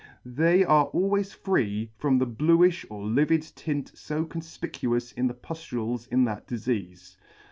They are always free from the bluifh or livid tint fo confpicuous in the puftules ■ in that difeafe.